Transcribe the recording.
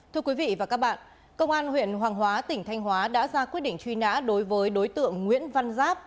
thưa quý vị và các bạn công an huyện hoàng hóa tỉnh thanh hóa đã ra quyết định truy nã đối với đối tượng nguyễn văn giáp